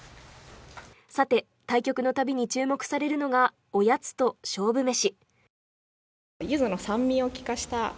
さて対局のたびに注目されるのがおやつと勝負めし。